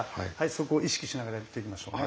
そこを意識しながらやっていきましょうね。